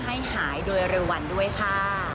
ให้หายโดยเร็ววันด้วยค่ะ